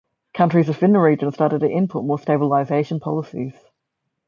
Countries within the region started to input more stabilization policies.